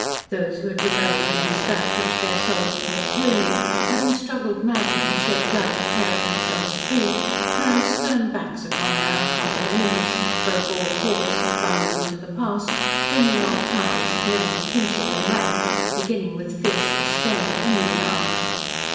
Those who had rebelled against that which their souls called tyranny, having struggled madly and shed blood in tearing themselves free, turned stern backs upon their unconquered enemies, broke all cords that bound them to the past, flinging off ties of name, kinship and rank, beginning with fierce disdain a new life.